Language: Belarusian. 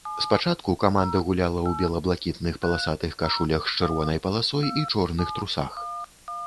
Спачатку каманда гуляла ў бела-блакітных паласатых кашулях з чырвонай паласой і чорных трусах.